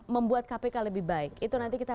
membuat kpk lebih baik itu nanti kita